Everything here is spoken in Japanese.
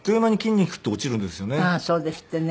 そうですってね。